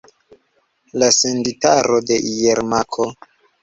La senditaro de Jermako.